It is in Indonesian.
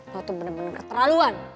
lo tuh bener bener keterlaluan